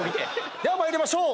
では参りましょう。